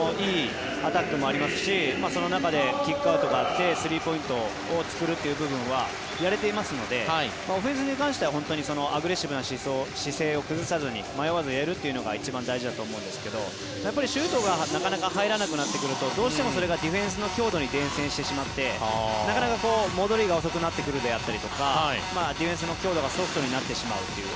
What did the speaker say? アタックもいいですしその中でスリーポイントを作るという部分はやれていますのでオフェンスの部分はアグレッシブな姿勢を崩さずに迷わずやるということが一番大事だと思うんですがシュートがなかなか入らなくなってくるとどうしてもそれがディフェンスの強度に伝染してしまって戻りが遅くなってくるであったりとかディフェンスの強度がソフトになってしまうという。